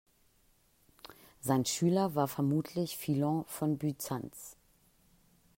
Sein Schüler war vermutlich Philon von Byzanz.